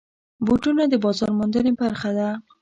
بوټونه د بازار موندنې برخه ده.